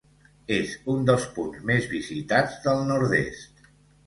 És un dels punts més visitats del Nord-est.